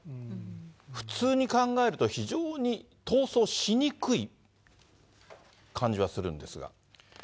普通に考えると、非常に逃走しにくい感じはするんですが。